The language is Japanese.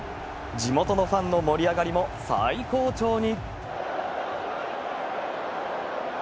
地元のファンの盛り上がりも最高潮に。